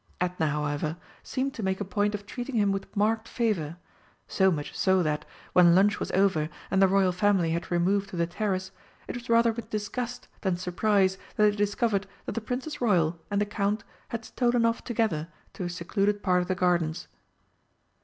Edna, however, seemed to make a point of treating him with marked favour, so much so that, when lunch was over and the Royal Family had removed to the Terrace, it was rather with disgust than surprise that they discovered that the Princess Royal and the Count had stolen off together to a secluded part of the gardens.